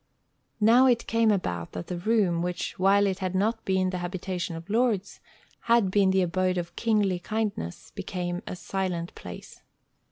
Now it came about that the room, which, while it had not been the habitation of lords, had been the abode of kingly kindness, became a silent place.